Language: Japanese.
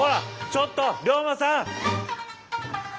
ちょっと龍馬さん！